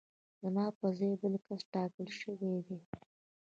زما په ځای بل کس ټاکل شوی دی